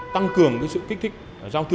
tăng cường sự kích thích giao thư